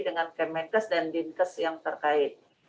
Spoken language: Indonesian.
dengan kemenkes dan dinkes yang terkait